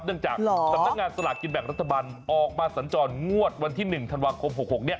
เนื่องจากตัดตั้งงานสลากกินแบบรัฐบาลออกมาสัญจรรย์งวดวันที่๑ธันวาคม๖๖เนี่ย